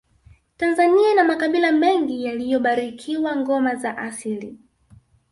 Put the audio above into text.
tanzania ina makabila mengi yaliyobarikiwa ngoma za asili